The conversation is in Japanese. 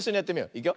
いくよ。